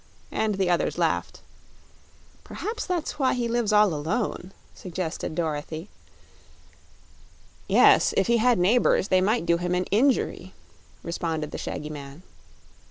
and the others laughed. "Perhaps that's why he lives all alone," suggested Dorothy. "Yes; if he had neighbors, they might do him an injury," responded the shaggy man.